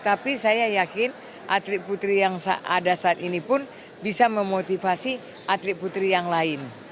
tapi saya yakin atlet putri yang ada saat ini pun bisa memotivasi atlet putri yang lain